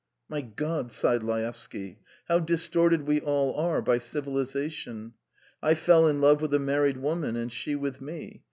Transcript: "My God!" sighed Laevsky; "how distorted we all are by civilisation! I fell in love with a married woman and she with me.